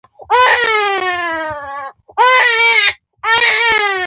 جمله ګرامري اصول لري.